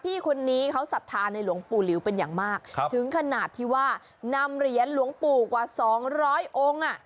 พี่คนนี้เขาศรัทธาในหลวงปู่หลิวเป็นอย่างมากถึงขนาดที่ว่านำเหรียญหลวงปู่กว่าสองร้อยองค์อ่ะ